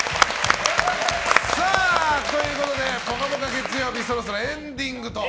月曜日そろそろエンディング。